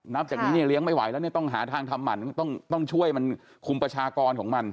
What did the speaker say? นับจากนี้เนี่ยเลี้ยงไม่ไหวแล้วเนี่ยต้องหาทางทำหมั่นต้องช่วยมันคุมประชากรของมัน